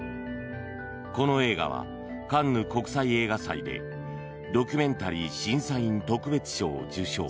この映画はカンヌ国際映画祭でドキュメンタリー審査員特別賞を受賞。